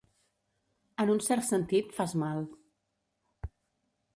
En un cert sentit, fas mal.